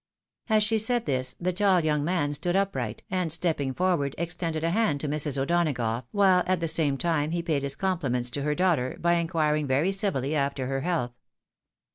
As she said this, the tall young man stood upright, and step ping forward, extended a. hand to Mi s. O'Donagough, while at the same time he paid his compliments to her daughter, by in quiring very civiUy after her health.